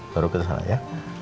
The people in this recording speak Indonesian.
baru kita sana ya